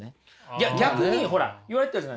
いや逆にほら言われてたじゃないですか。